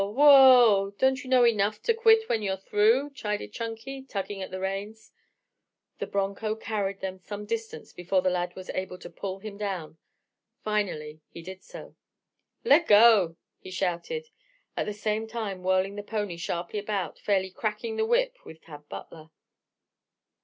Whoa! Don't you know enough to quit when you're through?" chided Chunky, tugging at the reins. The broncho carried them some distance before the lad was able to pull him down. Finally he did so. "Leggo!" he shouted, at the same time whirling the pony sharply about, fairly "cracking the whip" with Tad Butler.